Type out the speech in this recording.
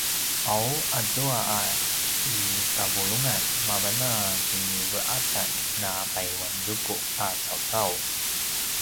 ’aw azua a i kavulungan mavan a kinive’acan na payuanzuku a cawcau